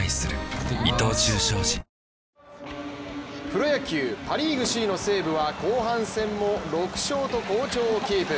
プロ野球、パ・リーグ首位の西武は後半戦も６勝と好調をキープ。